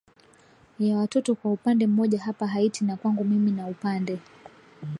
ya watoto kwa upande mmoja hapa haiti na kwangu mimi na upande